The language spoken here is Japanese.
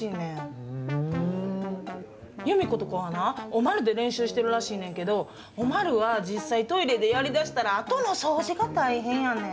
ユミコとこはな、おまるで練習してるらしいねんけど、おまるは、実際、トイレでやりだしたら、あとの掃除が大変やねん。